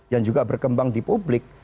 yang juga berkembang di publik